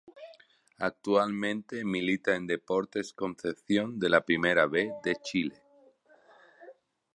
Actualmente milita en Deportes Concepción de la Primera B de Chile.